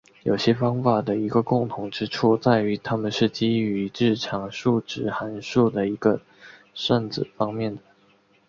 有些方法的一个共同之处在于它们是基于日常数值函数的算子方面的。